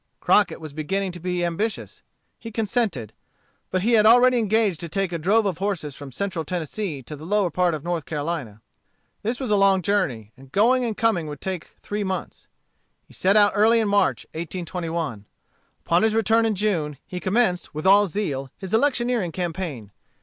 Crockett was beginning to be ambitious. He consented. But he had already engaged to take a drove of horses from Central Tennessee to the lower part of North Carolina. This was a long journey, and going and coming would take three months. He set out early in March, 1821. Upon his return in June, he commenced with all zeal his electioneering campaign.